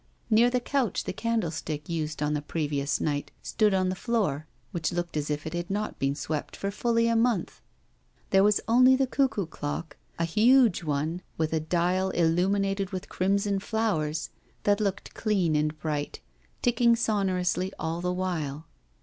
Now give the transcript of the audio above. Near the couch the candlestick used on the previous night stood on the floor, which looked as if it had not been swept for fully a month. There was only the cuckoo clock, a huge one, with a dial illuminated with crimson flowers, that looked clean and bright, ticking sonorously all the while.